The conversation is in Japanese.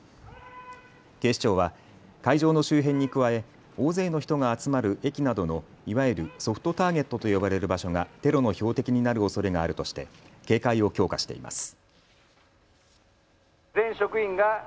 警視庁は会場の周辺に加え大勢の人が集まる駅などのいわゆるソフトターゲットと呼ばれる場所がテロの標的になるおそれがあるとして警戒を強化しています。